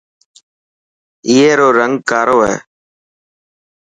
اي رو رنگ ڪارو هي.